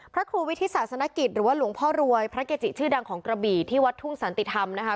พระครูวิทธิศาสนกิจหรือว่าหลวงพ่อรวยพระเกจิชื่อดังของกระบี่ที่วัดทุ่งสันติธรรมนะคะ